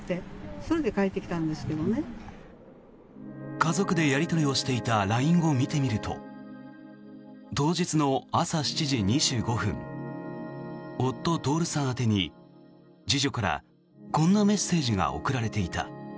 家族でやり取りをしていたＬＩＮＥを見てみると当日の朝７時２５分夫・徹さん宛てに次女からこんなメッセージが送られていた。